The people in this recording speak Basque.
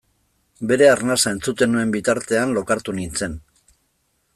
Bere arnasa entzuten nuen bitartean lokartu nintzen.